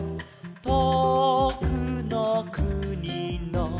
「とおくのくにの」